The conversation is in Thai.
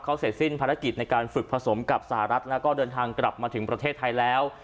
เขาเสร็จสิ้นภารกิจในการฝึกผสมกับสหรัฐแล้วก็เดินทางกลับมาถึงประเทศไทยแล้ว